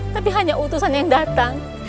tapi hanya utusan yang datang